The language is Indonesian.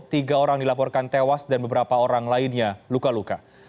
tiga orang dilaporkan tewas dan beberapa orang lainnya luka luka